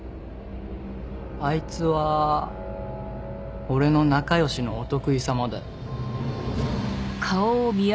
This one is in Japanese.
あいつは俺の仲良しのお得意さまだよ。